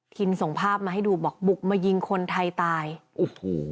ส่งภาพมาให้ดูบอกบุกมายิงคนไทยตายโอ้โห